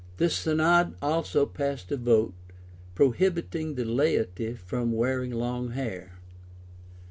The synod also passed a vote, prohibiting the laity from wearing long hair.